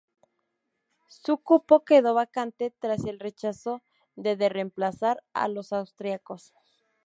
Su cupo quedó vacante tras el rechazo de de reemplazar a los austríacos.